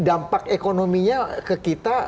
dampak ekonominya ke kita